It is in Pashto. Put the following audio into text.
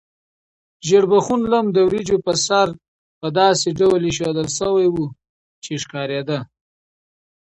ژیړبخون لم د وریجو په سر په داسې ډول ایښودل شوی و چې ښکارېده.